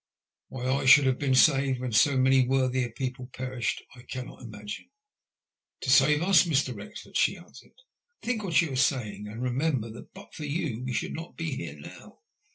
Why I should have been saved when so many worthier people perished I cannot imagine." To save us, Mr. Wrexford," she answered. *' Think what you are saying, and remember that but for you we should not be here now."